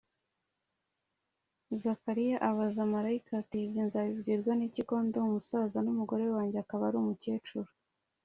Zakariya abaza marayika ati: “Ibyo nzabibwirwa n’iki, ko ndi umusaza n’umugore wanjye akaba ari umukecuru